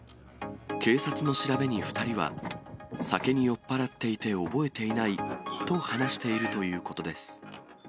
警察の調べに、２人は酒に酔っぱらっていて覚えていないと話しているということです。